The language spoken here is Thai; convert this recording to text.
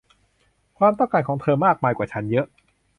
ความต้องการของเธอมากมายกว่าฉันเยอะ